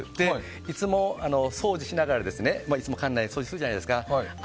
いつも掃除しながら館内を掃除するじゃないですか。